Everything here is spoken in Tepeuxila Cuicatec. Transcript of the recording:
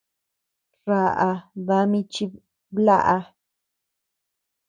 Raʼa dami chiblaʼa.